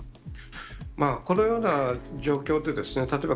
このような状況で、例えば、